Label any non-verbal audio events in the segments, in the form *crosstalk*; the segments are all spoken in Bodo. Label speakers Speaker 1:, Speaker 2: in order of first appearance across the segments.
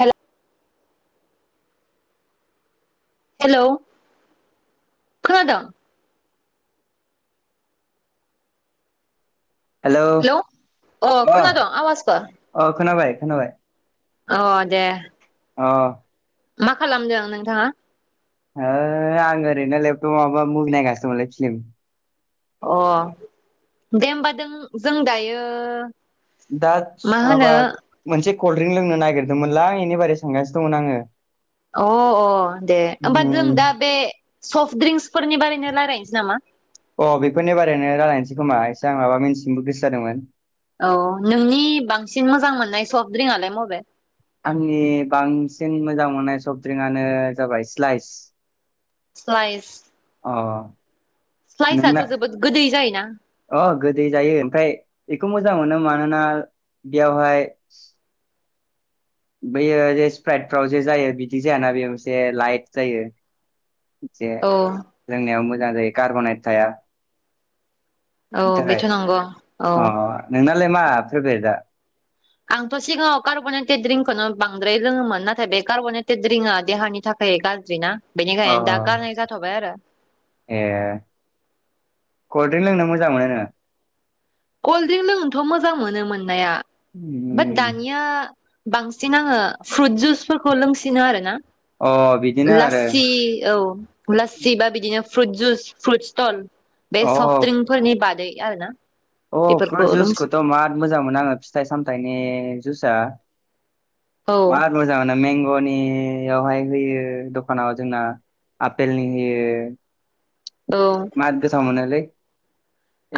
Speaker 1: हेल हेलौ खोनादों
Speaker 2: हेलौ अ
Speaker 1: खोनादों आवाजखौ
Speaker 2: अ खोनाबाय खोनाबाय।
Speaker 1: अ दे।
Speaker 2: अ।
Speaker 1: मा खालामदों नोंथाङा?
Speaker 2: ओ आं ओरैनो लेपटप माबा मुभि नायगासिनो दंमोनलै फिलिम।
Speaker 1: अ दे होमबा दों जों दायो
Speaker 2: दा
Speaker 1: मा
Speaker 2: माबा
Speaker 1: होनो
Speaker 2: मोनसे कल्ड ड्रिंक लोंनो नागिरदोंमोनलां इनि बारै सोंगासिनो दंमोन आङो।
Speaker 1: अ अ दे होमबा जों
Speaker 2: उम
Speaker 1: दा बे सफ्ट ड्रिंक्सफोरनि बारैनो रायलायनोसै नामा?
Speaker 2: अ बेफोरनि बारैनो रायलायनोसै खोमा एसे आं माबा मिथिनोबो गोसो जादोंमोन।
Speaker 1: औ नोंनि बांसिन मोजां मोननाय सफ्टड्रिंकआलाय मबे?
Speaker 2: आंनि बांसिन मोजां मोननाय सफ्ट ड्रिंकनो जाबाय स्लाइस।
Speaker 1: स्लइस
Speaker 2: अ।
Speaker 1: स्लाइसथ'
Speaker 2: नोंना
Speaker 1: जोबोद गोदै जायना?
Speaker 2: अ गोदै जायो ओमफाय बेखौ मोजां मोनो मानोना बेयावहाय बैयो जे स्प्राइट फाव जे जायो बिदि जायाना बेयो मोनसे लाइट जायो जे
Speaker 1: औ
Speaker 2: लोंनायाव मोजां जायो कार्ब'नेद थाया
Speaker 1: औ
Speaker 2: बिनि थाखाय।
Speaker 1: बेथ' नंगौ औ
Speaker 2: अ नोंनालाय मा फेभरेटआ?
Speaker 1: आंथ' सिगाङाव कार्ब'नेटेड द्रिकखौनो बांद्राय लोङोमोन नाथाय बे कार्ब'नेटेड द्रिंकआ देहानि थाखाय थाय गाज्रिना
Speaker 2: अ
Speaker 1: बेनिखायनो दा गारनाय जाथ'बाय आरो।
Speaker 2: ए कलड्रिं लोंनो मोजां मोनो नोङो?
Speaker 1: कल्ड्रिंक लोंनोथ' मोजां मोनो मोननाया।
Speaker 2: उम।
Speaker 1: ओ दानिया बांसिन आङो फ्रुट जुस फोरखौ लोंसिनो आरोना
Speaker 2: अ बिदिनो आरो
Speaker 1: लाससि औ लाससि बा बिदिनो फ्रुइट जुस फ्रुइट स्टल बे
Speaker 2: अ
Speaker 1: सफ्ट ड्रिंकफोरनि बादै आरो ना।
Speaker 2: अ
Speaker 1: बेफोरखौ
Speaker 2: फ्रुइट
Speaker 1: लोंसि
Speaker 2: जुसखौथ' माद मोजां मोनो आङो फिथाइ सामथाइनि जुसआ
Speaker 1: औ
Speaker 2: मार मोजांआनो मेंग'नियावहाय होयो दखानाव जोंना आफेलनि होयो
Speaker 1: औ।
Speaker 2: मार गोथाव मोनोलै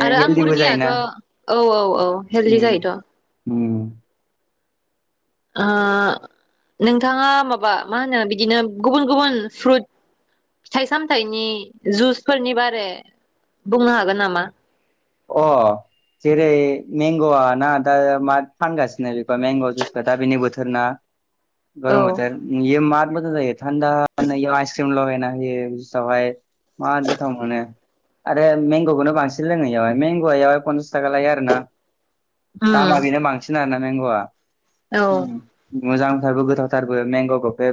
Speaker 2: ए
Speaker 1: आरो
Speaker 2: हेलदिबो
Speaker 1: आंगुरनियाथ'
Speaker 2: जायोना
Speaker 1: औ औ औ हेल्दि
Speaker 2: उम
Speaker 1: जायोथ'।
Speaker 2: उम
Speaker 1: ओ नोंथाङा माबा मा होनो बिदिनो गुबुन गुबुन फ्रुट फिथाइ सामथाइनि जुसफोरनि बारे बुंनो हागोन नामा?
Speaker 2: अ जेरै मेंग'आ ना दा मा फानगासिनो बेखौ मेंग' जुइसखौ दा बेनि बोथोर ना गरम मोथोर। इयो मार मोजां जायो थानदा नैआव आइसक्रिम लागायना होयो जुइसआवहाय। माद गोथाव मोनो आरो मेंग'खौनो बांसिन लोङो इयावहाय। मेंग'आ इयावहाय पनसास थाखा लायो आर ना,
Speaker 1: उम
Speaker 2: दामा बेनो बांसिन आरो ना मेंग'आ।
Speaker 1: औ
Speaker 2: मोजांथारबो गोथावथारबो मेंग'खौ बे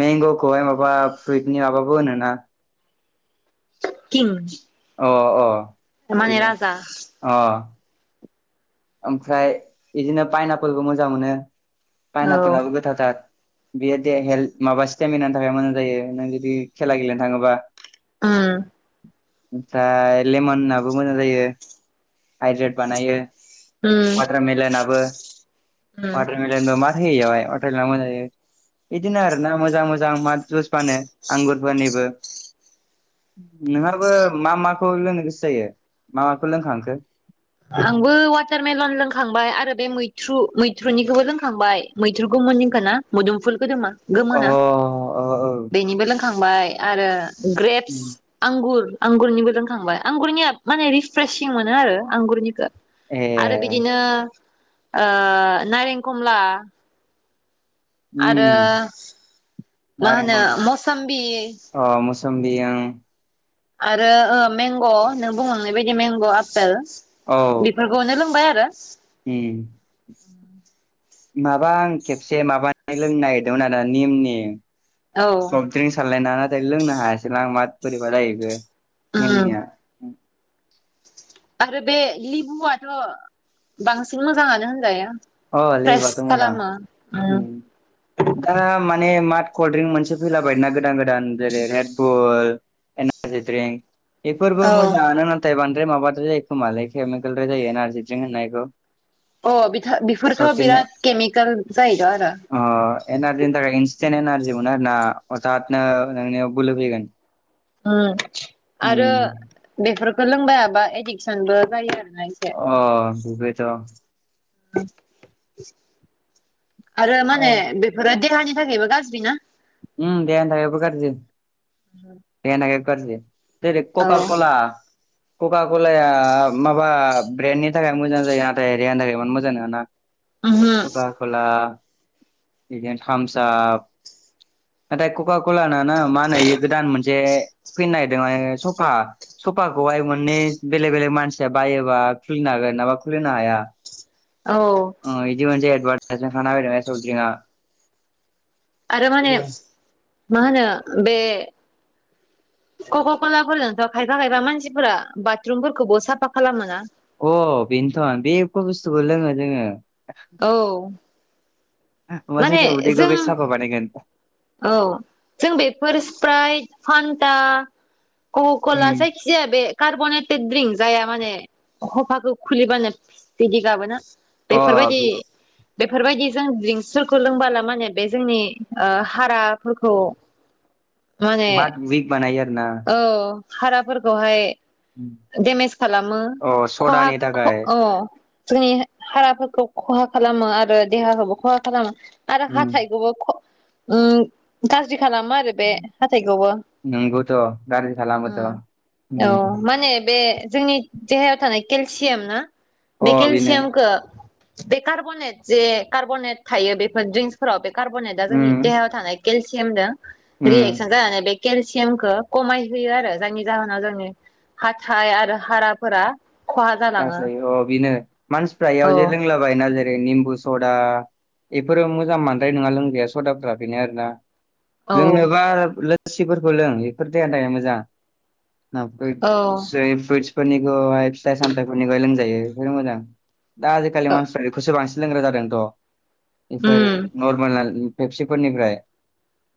Speaker 2: मेंग'खौहाय माबा फ्रुइटनि माबाबो होनोना?
Speaker 1: किंच।
Speaker 2: अ अ बिनो अह ओमफ्राय इदिनो पाइनापोलबो मोजां मोनो,
Speaker 1: औ
Speaker 2: पाइनापलाबो गोथावथार। बेयो दे हेल्थ माबा स्टेमिनानि थाखाय मोजां जायो नों जुदि खेला गेलेनो थाङोबा।
Speaker 1: उम।
Speaker 2: ओमफ्राय लेमनाबो मोजां जायो हाइद्रेड बानायो।
Speaker 1: *inaudible*
Speaker 2: वाटारमेलनाबो
Speaker 1: उम
Speaker 2: वाटारमेलनबो माद थायो बेयावहाय वाटारमेलना मोजां जायो। बिदिनो आरो ना मोजां मोजां माद जुस फानो आंगुरफोरनिबो। नों आरोबो मा माखौ लोंनो गोसो जायो, मा माखौ लोंखांखो?
Speaker 1: आंबो वाटारमेलन लोंखांबाय आरो बे मैथ्रु मैथ्रुनिखौबो लोंखांबाय मैथ्रुगौमोननिखौ ना। मुदुम फुल गोदोमा।
Speaker 2: अ औ
Speaker 1: गोमोना
Speaker 2: औ
Speaker 1: बेनिबो लोंखांबाय आरो ग्रेपस। आंगुर आंगुरनिबो रोंखांबाय आंगुरनिया माने रिफ्र्रेसिं मोनो आरो आंगुरनिखौ।
Speaker 2: ए
Speaker 1: आरो बिदिनो ओ नारें खमला। आरो
Speaker 2: उम
Speaker 1: मा
Speaker 2: नारें
Speaker 1: होनो
Speaker 2: खम
Speaker 1: मसमबि।
Speaker 2: अ मौसोम्बि ओम।
Speaker 1: आरो ओम मेंग' नों बुंलांनाय बादि मेंग' आपेल।
Speaker 2: औ।
Speaker 1: फोरखौनो लोंबाय आरो।
Speaker 2: उम। माबा आं खेबसे माबानाय लोंनायदोंमोन आरो निमनि।
Speaker 1: औ।
Speaker 2: स्रिं सारलायना नाथाय लोंनो हायासैलां माथ बोरैबा जायोबो
Speaker 1: उम
Speaker 2: निमनिया।
Speaker 1: आरो बे लिबुआथ' बांसिन मोजाङानो होनजायो।
Speaker 2: अ
Speaker 1: फ्रेस
Speaker 2: लेबुआथ' मोजां
Speaker 1: खालामा उम।
Speaker 2: दा माने मार्ट कल्ड्रिंक मोनसे फैलाबाय नना गोदान गोदान जेरै रेडबुल। Energy drink. बेफोरबो
Speaker 1: औ
Speaker 2: मोजाङानो नाथाय बांद्राय माबाद्राय जायो खोमालै केमिकेलद्राय जायो एनारजि द्रिंक होननायखौ।
Speaker 1: अ बिथ' बेफोरखो
Speaker 2: साबसिननो
Speaker 1: बिराद केमिकेल जायोद' आरो।
Speaker 2: अ एनारजिनि थाखाय इन्स्टेन्ट एनारजि मोनो आरो ना अथातनो नोंनियाव बोलो फैगोन।
Speaker 1: उम आरो
Speaker 2: उम
Speaker 1: बेफोरखौ लोंबा बा एडिक्सनबो जायो आरोना एसे।
Speaker 2: अ बिबोथ'।
Speaker 1: थुब आरो माने बेफोरो देहानि थाखायबो गाज्रि ना।
Speaker 2: उम देहानि थाखायबो गाज्रि। देहानि थाखायबो गाज्रि जेरै
Speaker 1: औ
Speaker 2: ककाल कला। कका कलाया माबा ब्रेन्डनि थाखाय मोजां जायो नाथाय देहानि थाखाय इमान मोजां नङाना।
Speaker 1: ओहो
Speaker 2: कखा खला बिदिनो थामसआप। नाथाय कका कलाना ना मा होनोयो गोदान मोनसे फैनो नागिरदों माने सफा। सफाखौहाय मोननै बेलेग बेलेग मानसिया बायोबा खुलिनो हागोन नाबा खुलिनो हाया।
Speaker 1: औ।
Speaker 2: बिदि मोनसे एडभारटाइजमेन खानाहोदों सौज्रिङा।
Speaker 1: आरो माने मा होनो बे। कक' कलाफोरजोंथ' खायफा खायफा मानसिफोरा बादरुमफोरखौबो साफा खालामोना।
Speaker 2: अ बेनोथ' बेखौ बुस्थुखौ लोङो जोङो।
Speaker 1: औ।
Speaker 2: आ मा
Speaker 1: माने
Speaker 2: जेखो उदिगखौ
Speaker 1: जों
Speaker 2: बे साबा बानायगोन।
Speaker 1: औ जों बेफोर स्प्राइट, फान्दा,
Speaker 2: अ
Speaker 1: कहकला जायखि। जिया बे कार्बनेटेड द्रिंक जाया माने खफाखौ खुलिबानो। बिदि गाबोना। बेफोरबायदि बेफोरबायदि जों द्रिंकसफोरखौ लोंबानो माने बे जोंनि ओ। हाराफोरखौ। माने
Speaker 2: मादुइग बानायो आरो ना।
Speaker 1: औ हाराफोरखौहाय। देमेज खालामो
Speaker 2: अ
Speaker 1: खहा
Speaker 2: सदानि
Speaker 1: ख
Speaker 2: थाखाय
Speaker 1: अ जोंनि हाराफोरखौ खहा खालामो आरो देहाखौबो खहा खालामो आरो
Speaker 2: उम
Speaker 1: हाथायखौबो ख उम गाज्रि खालामो आरो बे हाथाइखौबो
Speaker 2: नंगौथ' गाज्रि खालामोथ'
Speaker 1: उम
Speaker 2: उम
Speaker 1: औ माने बे जोंनि देहायाव थानाय केलसियाम ना
Speaker 2: अ
Speaker 1: बे
Speaker 2: बेनो
Speaker 1: केलसियामखौ बे कार्ब'नेट जे कार्ब'नेट थायो बेफोर ड्रिंसफोराव बे कार्ब'नेटा जोंनि
Speaker 2: उम
Speaker 1: देहायाव थानाय केलसियामजों
Speaker 2: उम
Speaker 1: रिएक्सन जानानै बे केलसियामखौ खमाय होयो आरो जायनि जाहोनाव जोंनि हाथाइ आरो हाराफोरा खहा जालाङो
Speaker 2: गासै अ बेनो मानसिफोरा एयाव जे
Speaker 1: औ
Speaker 2: लोंलाबायना जेरै निम्बु सदा इफोरो मोजां बांद्राय नङा लोंजाया सदाफ्रा बेनो आरोना
Speaker 1: औ
Speaker 2: लोंनोबा लोस्सिफोरखौ लों एफोर देहानि थाखाय मोजां
Speaker 1: औ
Speaker 2: नाफ्रुइटस फ्रुइटस फोरनिखौहाय फिथाइ सामथायफोरनिखौहाय लोंजायो बेफोरनो मोजां दा आजिखालि मानसिफ्रा बेखौसो बांसिन लोंग्रा जादोंथ' बेफोर
Speaker 1: उम
Speaker 2: नर्मेल ना पेफसिफोरनिफ्राय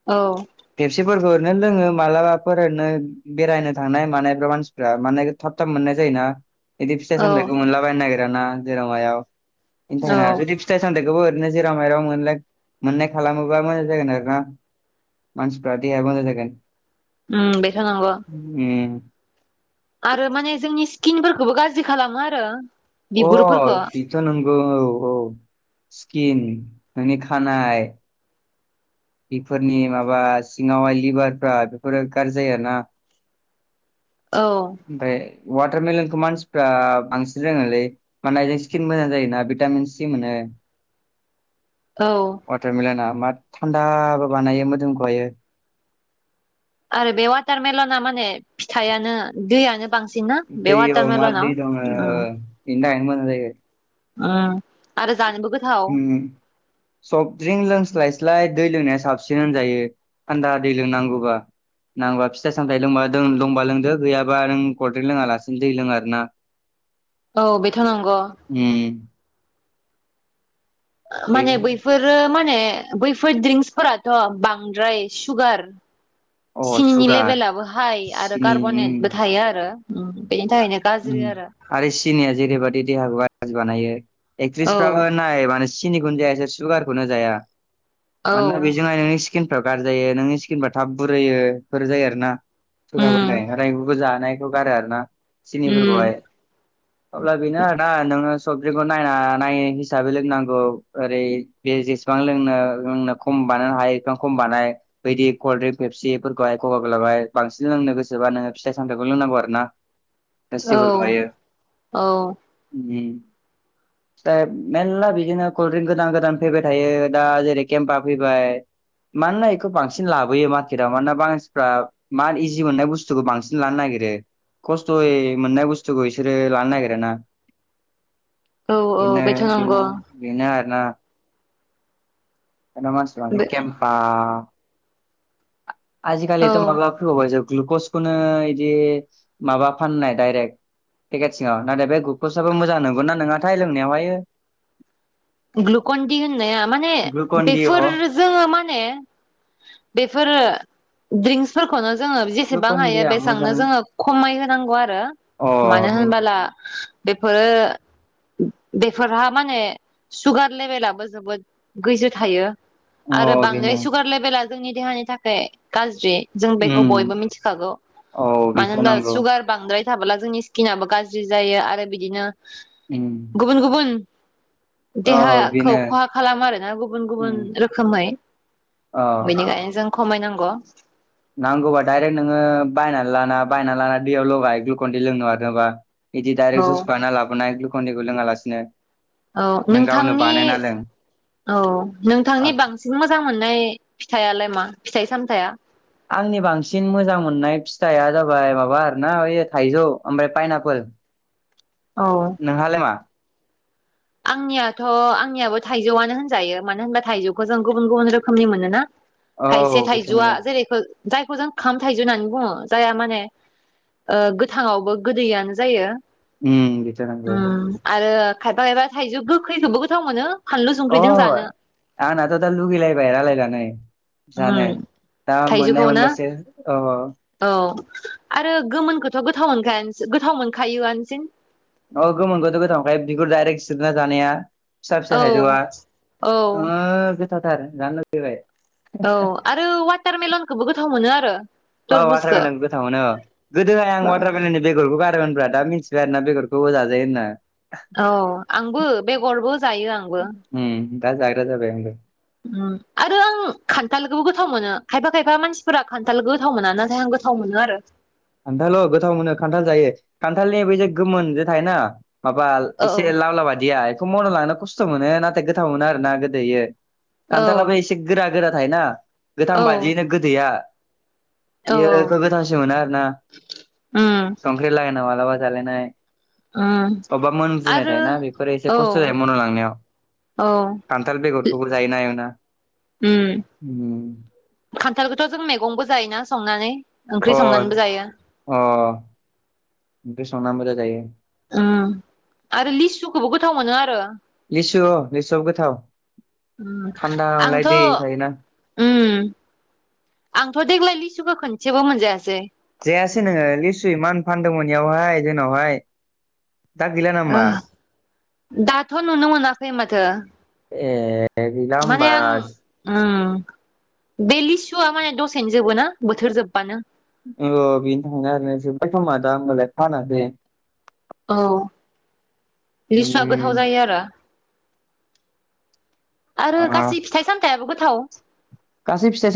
Speaker 1: औ
Speaker 2: पेफसिफोरखौ ओरैनो लोङो मालाबाफोर ओरैनो बेरायनो थांनाय मानायफ्राव मानस फ्रा माने थाब थाब मोननाय जायो ना इदि फिथाइ
Speaker 1: औ
Speaker 2: सामथायाइखौ मोनलाबायनो नागिराना जेराव मायाव इनि
Speaker 1: औ
Speaker 2: थाखायनो जुदि फि फिथाइ सामथाइखौबो ओरैनो जेराव मेराव मोनलाय मोननाय खालामोबा मोजां जागोन आरो ना मानसिफोरा देहाया मोजां जागोन
Speaker 1: उम बेथ' नंगौ
Speaker 2: उम
Speaker 1: आरो माने जोंनि स्किनफोरखौबो गाज्रि खालामो आरो
Speaker 2: अ
Speaker 1: बिगुरफोरखौ
Speaker 2: बेथ' नंगौ औ औ स्किन नोंनि खानाय बेफोरनि माबा सिङावहाय लिभारफ्रा बेफोरो गाज्रि जायो ना
Speaker 1: औ
Speaker 2: ओमफ्राय वाटारमेलनखौ मानसिफ्रा बांसिन रोंङोलै माने एजों स्किन मोजां जायोना भिटामिन सि मोनो
Speaker 1: औ
Speaker 2: वाटारमेलना मार थान्दाबो बानायो मोदोमखौहायो
Speaker 1: आरो बे वाटारमेलना माने फिथाइयानो दैयानो बांसिनना बेे वाटारमेलनाव ओ
Speaker 2: इनि थाखायनो मोजां जायो
Speaker 1: उम आरो जानोबो गोथाव
Speaker 2: उम सफ्टड्रिंक लोंस्लायस्लाय दै लोंनाया साबसिन होनजायो थान्दा दै लों नांगौबा नांगौबा फिथाइ सामथायाइ लोंबा दंबा लोंदो गैयाबा नों कलड्रिंक लोङा लासिनो दै लोङो आरो ना
Speaker 1: औ बेथ' नांगौ
Speaker 2: उम दै
Speaker 1: माने बैफोरो माने बैफोर ड्रिंक्सफोराथ' बांद्राय सुगार
Speaker 2: अ
Speaker 1: सिनिनि
Speaker 2: सुगार
Speaker 1: लेभेेलाबो हाइ आरो
Speaker 2: सिनि उम
Speaker 1: कार्ब'नेटबो थायो आरो उम बेनि थाखायनो गाज्रि
Speaker 2: उम,
Speaker 1: आरो
Speaker 2: आरो सिनिया जेरैबायदि देहाखौ गाज्रि बानायो
Speaker 1: औ
Speaker 2: एकट्रिस फ्राबो नाय माने सिनिखौनो जाया एसे सुगारखौनो जाया
Speaker 1: औ
Speaker 2: मानोना बेजोंहाय नोंङो स्किनफ्रा गारजि जायो नोंनि स्किनफ्रा थाब बुरैयो फोर जायो आरो ना सुगारफोरनि
Speaker 1: उम
Speaker 2: थाखाय ओंखारनायफोरखौ जानायखौ गारो आरो ना
Speaker 1: उम
Speaker 2: सिनिफोरखौहाय
Speaker 1: *inaudible*
Speaker 2: अब्ला बेनो आरोना नोङो सफ्ड्रिंखौ नायना नाय हिसाबै लोंनांगौ ओरै बे जेसेबां लोंनो लोंनो खम बानायनो हायो एसेबां खम बानाय बायदि कल्ड्रिंक खेफसिफोरखौहाय खगा गोलाहाय बांसिन लोंनो गोसोबानोङो फिथाइ सामथाइखौ लोंनांगौ आरो ना
Speaker 1: औ औ
Speaker 2: *unintelligible*
Speaker 1: *inaudible*
Speaker 2: दा मेलला बिदिनो कल्ड ड्रिंक गोदान गोदान फैबाय थायो दा जेरै केम्पा फैबाय‌। मानोना बेखौ बांसिन लाबोयो मार्केटआव मानोना मानसिफ्रा मा इजि मोननाय बुस्थुखौ बांसिन लानो नागिरो जय मोननाय बुस्थुखौ इसोरो लानो नागिरो ना।
Speaker 1: औ औ
Speaker 2: बेनो
Speaker 1: बेथ' नंगौ
Speaker 2: बिदिनो। बेनो आरोना नो मानसिफ्रा
Speaker 1: बे
Speaker 2: केमफा आजिखालिथ'
Speaker 1: औ
Speaker 2: माबा फैबावबायसो ग्लुकस खौनो इदि माबा फाननाय डायरेक्ट पेकेट सिङाव नाथाय बे ग्लुकसाबो मोजां नंगौना नङाथाय लोंनायावहाय।
Speaker 1: ग्लुकन डी होननाया माने
Speaker 2: डि अ
Speaker 1: बेफोर जोङो माने बेफोरो ड्रिंक्सफोरखौनो जोङो जेसेबां
Speaker 2: ग्लुकन
Speaker 1: हायो
Speaker 2: डिया मोजां
Speaker 1: बेसेबांनो जोङो खमाय होनांगौ आरो
Speaker 2: अ
Speaker 1: मानो
Speaker 2: बे
Speaker 1: होनबोला बेफोरो बेफोरहा माने सुगार लेभेलाबो जोबोद गोजौ थायो
Speaker 2: अ
Speaker 1: आरो बांद्राय
Speaker 2: बेनो
Speaker 1: सुगार लेबेेला जोंनि देहानि थाखाय गाज्रि जों बेखौ
Speaker 2: उम
Speaker 1: बयबो मिथिखागौ
Speaker 2: औ
Speaker 1: मानो
Speaker 2: बेथ'
Speaker 1: होनबा
Speaker 2: नंगौ
Speaker 1: सुगार बांद्राय थाबोला जोंनि स्किनाबो गाज्रि जायो आरो बिदिनो
Speaker 2: उम।
Speaker 1: गुबुन गुबुन
Speaker 2: औ
Speaker 1: देहा खौ
Speaker 2: बेनो
Speaker 1: खहा खालामो आरोना गुबुन गुबुन
Speaker 2: उम
Speaker 1: रोखोमै।
Speaker 2: अ
Speaker 1: बेनिखायनो जों खमायनांगौ।
Speaker 2: नांगौबा डाइरेक्ट नोङो बायनानै लाना बायना लाना दैयाव लगाय ग्लुकन डी लोंनो मादोंबा। बिदि
Speaker 1: औ
Speaker 2: डाइरेक्ट जुस बानायना लाबोनाय ग्लुकन डी खौ लोङा लासिनो
Speaker 1: औ नोंथांनि औ नोंथांनि बांसिन मोजां मोननाय फिथायालाय मा फिथाइ सामथाया?
Speaker 2: आंनि बांसिन मोजां मोननाय फिथाइआ जाबाय माबा आरोना बे थाइजौ ओमफ्राय पाइन आपोल।
Speaker 1: औ।
Speaker 2: नोंहालाय मा?
Speaker 1: आंनियाथ' आंनियाबो थाइजौ आनो होनजायो मानो होनबा थाइजौखौ जों गुबुन गुबुन रोखोमनि मोनोना।
Speaker 2: औ
Speaker 1: थायसे
Speaker 2: बेथ'
Speaker 1: थाइजौआ
Speaker 2: नंगौ
Speaker 1: जेरैखौ जायखौ जों खाम थाइजौ होननानै बुङो जायहा माने गोथाङावबो गोदैयानो जायो।
Speaker 2: उम बिथ' नोंगौ।
Speaker 1: उम आरो खायफा खायफा थाइजौ गोखैखौबो गोथाव मोनो। फानलु
Speaker 2: अ
Speaker 1: संख्रिजों जानो
Speaker 2: आंनाथ दा लुगै लाबाय रायलायनानै।
Speaker 1: उम
Speaker 2: जानो दा मोननाय मोनबासो अ अ।
Speaker 1: अ आरो गोमोनखौथ' गोथाव मोनखायानसो गोथाव मोनखायो आनोसै।
Speaker 2: अ गोमोनखौथ' गोथाव मोनखायो बिगुर दाइरेक्ट जिरना जानाया। फिसा फिसा
Speaker 1: औ
Speaker 2: थाइजौआ
Speaker 1: औ
Speaker 2: ओ गोथाव थाथार आरो जानो लुगैबाय
Speaker 1: औ आरो वाटार मेलनखौबो गोथाव मोनो आरो।
Speaker 2: औ वाटार
Speaker 1: तरबुजखौ
Speaker 2: मेलेन गोथाव मोनो ओ गोदोहाय आं वाटार मेलेननि बेगरखौ गारोमोन ब्रा। दा मिथिबाय आरोना बेगरखौ जाजायो होनना।
Speaker 1: औ आंबो बेगरबो जायो आंबो।
Speaker 2: उम दा जाग्रा जाबाय आंबो।
Speaker 1: उम आरो आं खान्थालखौबो गोथाव मोनो खायफा खायफा मानसिफोरा खान्थालखौ गोथाव मोना नाथाय आं गोथाव थाव मोनो आरो।
Speaker 2: खान्थाल ओ गोथाव मोनो खान्थाल जायो खान्थालनि बे जे गोमोन जे थायोना माबा
Speaker 1: औ
Speaker 2: एसे लावला बादिया बेखौ मन' लांनो खस्थ' मोनो नाथाय गोथाव मोनो आरोना गोदो यो।
Speaker 1: औ
Speaker 2: खान्थालाबो एसे गोरा गोरा थायोना गोथां
Speaker 1: औ
Speaker 2: बादियैनो गोदैया।
Speaker 1: औ
Speaker 2: इयो खौ गोथावसिन मोनो आरो ना।
Speaker 1: उम।
Speaker 2: संख्रि लागाय ना मालाबा जालाय नाय।
Speaker 1: उम
Speaker 2: अब्बा मोनजुनाय
Speaker 1: आरो
Speaker 2: थायोना बेफोरो एसे
Speaker 1: औ
Speaker 2: खस्थ' जायो मन' लांनायाव।
Speaker 1: औ
Speaker 2: खान्थाल बेगरखौबो जायोना एवना
Speaker 1: उम
Speaker 2: ओम।
Speaker 1: खान्थालखौथ' जों मैगंबो जायोना संनानै
Speaker 2: अ
Speaker 1: ओंख्रि संनानैबो जायो।
Speaker 2: अ ओमफ्राय संनानैबो जाजायो
Speaker 1: ओ आरो लिसुखौबो गोथाव मोनो आरो
Speaker 2: लिसु लिसुआबो गोथाव
Speaker 1: उम
Speaker 2: थान्दा मोनलाय
Speaker 1: आंथ
Speaker 2: दै थायोना
Speaker 1: ओम आंथ देग्लाय लिसुखौ खोनसेबो मोनजायासै
Speaker 2: जायासै नोङो लिस्सु एमान फानदोंमोन बेयावहाय जोंनावहाय दा गैला
Speaker 1: ओ
Speaker 2: नामा?
Speaker 1: दाथ' नुनो मोनाखै माथो।
Speaker 2: ए गैला होमबा
Speaker 1: माने आं उम बे लिसुआ माने दसेनो जोबो ना बोथोर जोबबानो।
Speaker 2: औ बेनो थाखायनो आरोना जोबबाय खोमा दा होमबालाय फानासै।
Speaker 1: औ लिसुआ गोथाव
Speaker 2: उम
Speaker 1: जायो आरो। आरो गासै फिथाइ सामथायाबो गोथाव
Speaker 2: गासै फिथाय सा